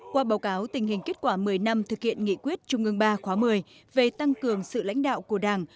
qua báo cáo tình hình kết quả một mươi năm thực hiện nghị quyết trung ương ba khóa một mươi về tăng cường sự lãnh đạo của đảng